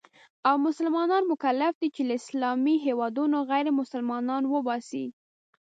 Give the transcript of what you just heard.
او مسلمانان مکلف دي چې له اسلامي هېوادونو غیرمسلمانان وباسي.